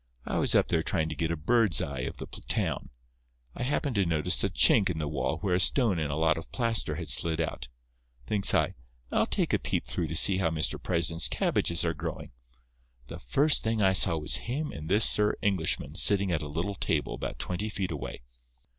I was up there trying to get a bird's eye of the town. I happened to notice a chink in the wall where a stone and a lot of plaster had slid out. Thinks I, I'll take a peep through to see how Mr. President's cabbages are growing. The first thing I saw was him and this Sir Englishman sitting at a little table about twenty feet away.